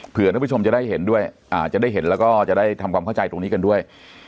เพื่อท่านผู้ชมจะได้เห็นด้วยจะได้เห็นแล้วก็จะได้ทำความเข้าใจตรงนี้กันด้วย